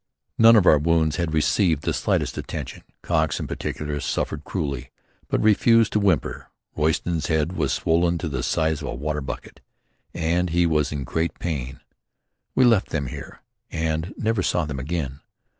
None of our wounds had received the slightest attention. Cox in particular suffered cruelly but refused to whimper. Royston's head was swollen to the size of a water bucket and he was in great pain. We left them here and never saw them again.